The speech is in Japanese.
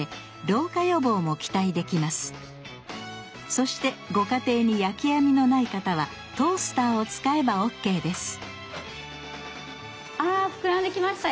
そしてご家庭に焼き網のない方はトースターを使えばオッケーですあ膨らんできましたよ。